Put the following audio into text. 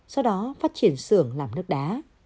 sau đó phát triển xưởng làm nước đá